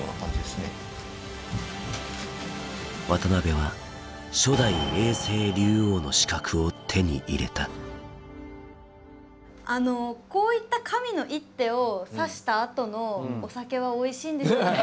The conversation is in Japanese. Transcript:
渡辺は初代の永世竜王の資格を手に入れたあのこういった神の一手を指したあとのお酒はおいしいんでしょうか？